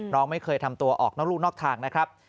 น้องไม่เคยทำตัวออกนอกลูกนอกทางนะครับ